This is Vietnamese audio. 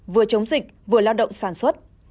vừa chống dịch vừa lao động sản xuất